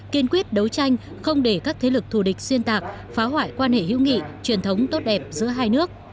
kiên quyết đấu tranh không để các thế lực thù địch xuyên tạc phá hoại quan hệ hữu nghị truyền thống tốt đẹp giữa hai nước